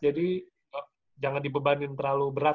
jadi jangan dibebanin terlalu berat